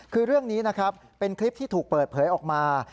คือเรื่องนี้นะครับเป็นคลิปที่ถูกเปิดเผยออกมา